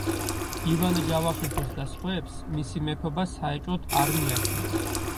ივანე ჯავახიშვილს და სხვებს მისი მეფობა საეჭვოდ არ მიაჩნდათ.